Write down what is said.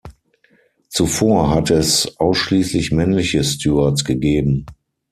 Zuvor hatte es ausschließlich männliche Stewards gegeben.